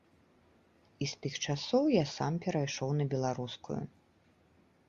І з тых часоў я сам перайшоў на беларускую.